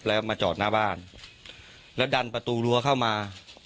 แล้วมาจอดหน้าบ้านแล้วดันประตูรั้วเข้ามา